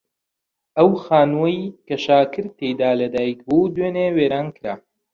ئەو خانووەی کە شاکر تێیدا لەدایک بوو دوێنێ وێران کرا.